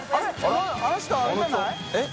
△譟△凌あれじゃない？